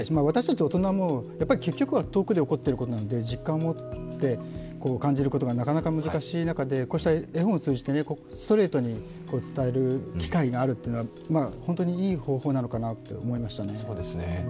私たち大人も結局は遠くで起こっていることなので実感を持って感じることがなかなか難しい中で、こうした絵本を通じてストレートに伝える機会があるというのは本当にいい方法なのかなと思いましたね。